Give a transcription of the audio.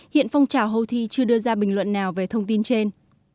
hiện phong trào houthi chưa đưa ra bình luận nào về thông tin trên